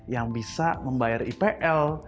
yang bisa membayar ipl